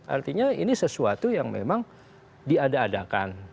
artinya ini sesuatu yang memang diada adakan